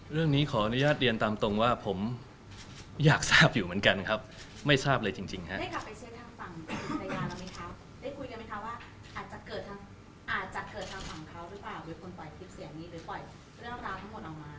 เรื่องนี้ขออนุญาตเรียนตามตรงว่าผมอยากทราบอยู่เหมือนกันครับไม่ทราบเลยจริงครับ